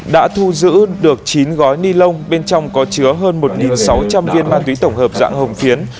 đã thu giữ được chín gói ni lông bên trong có chứa hơn một sáu trăm linh viên ma túy tổng hợp dạng hồng phiến